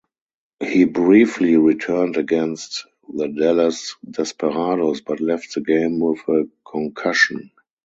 He briefly returned against the Dallas Desperados, but left the game with a concussion.